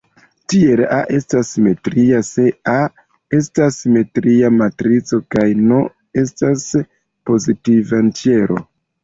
Tiel "A" estas simetria se "A" estas simetria matrico kaj "n" estas pozitiva entjero.